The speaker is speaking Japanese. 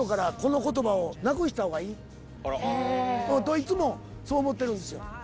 いつもそう思ってるんですよ。